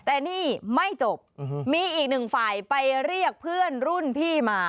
แต่นี่ไม่จบมีอีกหนึ่งฝ่ายไปเรียกเพื่อนรุ่นพี่มา